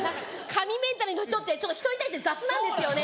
神メンタルの人ってちょっと人に対して雑なんですよね。